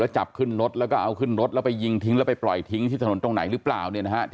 ใช่เหมือนกลุ่มนักรา